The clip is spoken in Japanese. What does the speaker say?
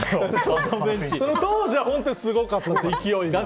当時は本当にすごかったんです